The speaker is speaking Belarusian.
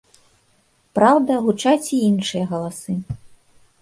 Праўда, гучаць і іншыя галасы.